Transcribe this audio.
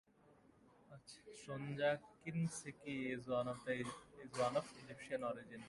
Sonja Kinski is of Egyptian origin.